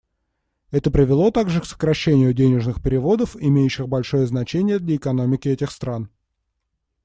Это привело также к сокращению денежных переводов, имеющих большое значение для экономики этих стран.